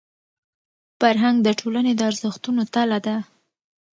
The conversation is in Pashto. فرهنګ د ټولني د ارزښتونو تله ده.